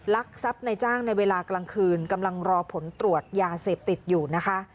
ลักทรัพย์ในจ้างในเวลากลางคืนกำลังรอผลตรวจยาเสพติดอยู่นะคะ